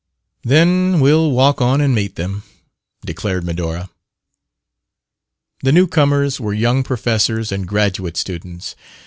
"Then we'll walk on and meet them," declared Medora. The new comers were young professors and graduate students.